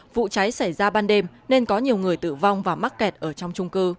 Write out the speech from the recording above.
vụ cháy xảy ra ban đêm nên có nhiều người tử vong và mắc kẹt ở trong trung cư